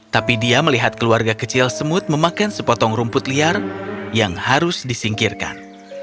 tapi dia melihat keluarga kecil semut memakai sepotong rumput liar yang harus disingkirkan